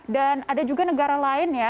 dan ada juga negara lain ya